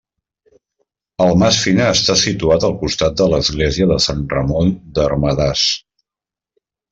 El Mas Fina està situat al costat de l'església de Sant Ramon d'Ermedàs.